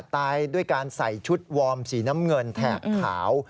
ตายด้วยการใส่ชุดวอร์มสีน้ำเงินแถบขาว